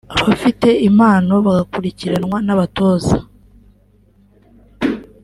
abafite impano bagakurikiranwa n’abatoza